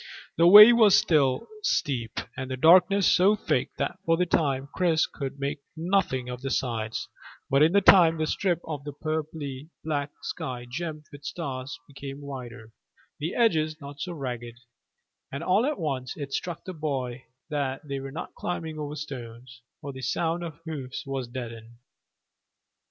The way was still steep, and the darkness so thick that for a time Chris could make out nothing of the sides; but in time the strip of purply black sky gemmed with stars became wider, the edges not so ragged, and all at once it struck the boy that they were not climbing over stones, for the sound of the hoofs was deadened.